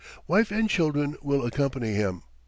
Wife and children will accompany him.